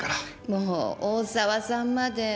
もう大沢さんまで。